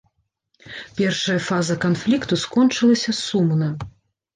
Першая фаза канфлікту скончылася сумна.